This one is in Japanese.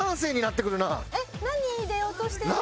えっ何入れようとしてるの？